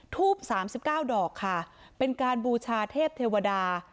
ทูปสามสิบเก้าดอกค่ะเป็นการบูชาเทพเทวดา